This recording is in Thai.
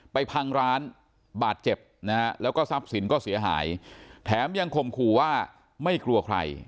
พังร้านบาดเจ็บนะฮะแล้วก็ทรัพย์สินก็เสียหายแถมยังข่มขู่ว่าไม่กลัวใคร